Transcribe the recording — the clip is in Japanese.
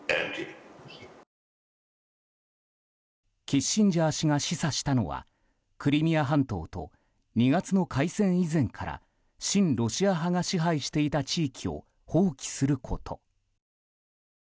キッシンジャー氏が示唆したのはクリミア半島と２月の開戦以前から親ロシア派が支配していた地域を放棄すること。